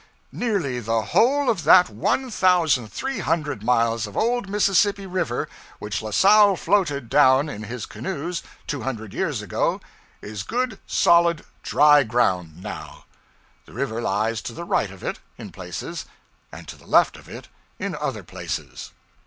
_Nearly the whole of that one thousand three hundred miles of old mississippi river which la salle floated down in his canoes, two hundred years ago, is good solid dry ground now_. The river lies to the right of it, in places, and to the left of it in other places.